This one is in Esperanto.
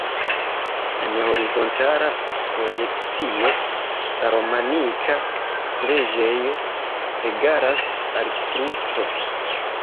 En horizontala projekcio la romanika preĝejo egalas al kruco.